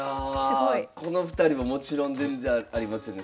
この２人ももちろん全然ありますよね。